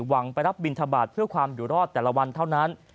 หวังไปรับบินทบาทเพื่อความอยู่รอดแต่ละวันเท่านั้น